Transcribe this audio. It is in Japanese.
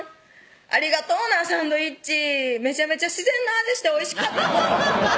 「ありがとうなサンドイッチめちゃめちゃ自然の味しておいしかったわ」